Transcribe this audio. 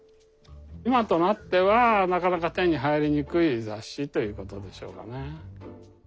今となってはなかなか手に入りにくい雑誌ということでしょうかね。